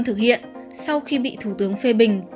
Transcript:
thực hiện sau khi bị thủ tướng phê bình